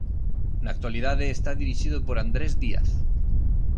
Na actualidade está dirixido por Andrés Díaz.